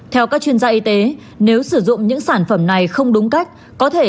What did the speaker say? theo các chuyên gia y tế nếu sử dụng những sản phẩm này không đúng cách